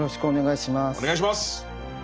お願いします！